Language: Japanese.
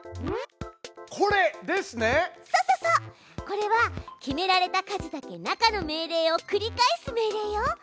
これは決められた数だけ中の命令を繰り返す命令よ。